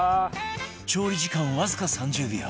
調理時間わずか３０秒